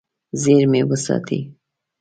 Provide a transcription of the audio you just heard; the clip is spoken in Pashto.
زیرمې وساتي.